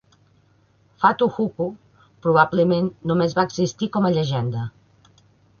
Fatu Huku probablement només va existir com a llegenda.